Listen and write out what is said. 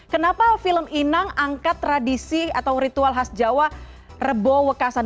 kenapa film inang angkat tradisi atau ritual khas jawa rebo wekasan